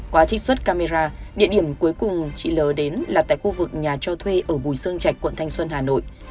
qua trích xuất camera địa điểm cuối cùng chị l đến là tại khu vực nhà cho thuê ở bùi sơn trạch quận thanh xuân hà nội